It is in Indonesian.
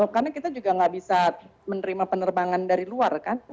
karena kita juga nggak bisa menerima penerbangan dari luar kan